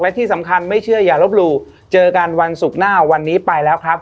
และที่สำคัญไม่เชื่ออย่าลบหลู่เจอกันวันศุกร์หน้าวันนี้ไปแล้วครับ